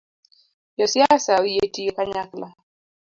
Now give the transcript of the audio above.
Josiasa oyie tiyo kanyakla